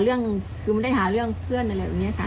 คือมันไม่ได้หาเรื่องเพื่อนหรอครับอย่างนี้ค่ะ